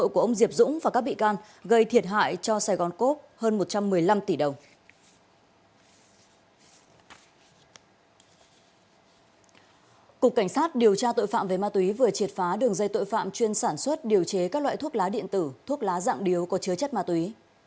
cục cảnh sát điều tra tội phạm về ma túy vừa triệt phá đường dây tội phạm chuyên sản xuất điều chế các loại thuốc lá điện tử thuốc lá dạng điếu có chứa chất ma túy